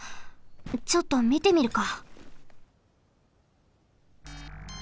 ちょっとみてみるか。